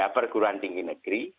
perguruan tinggi negeri